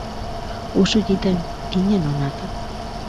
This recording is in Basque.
Usu jiten ginen honat.